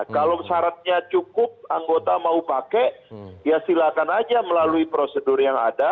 kalau syaratnya cukup anggota mau pakai ya silakan aja melalui prosedur yang ada